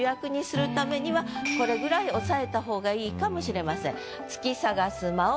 これぐらい押さえた方がいいかもしれません。